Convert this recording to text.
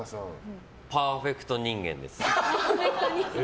パーフェクト人間です。